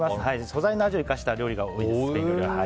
素材の味を生かした料理が多いです。